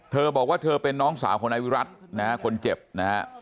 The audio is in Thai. เธอบอกว่าเธอเป็นน้องสาวคนไอวิรัตินะครับคนเจ็บนะครับ